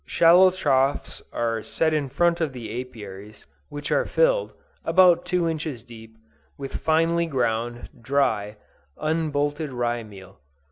Shallow troughs are set in front of the Apiaries, which are filled, about two inches deep, with finely ground, dry, unbolted rye meal.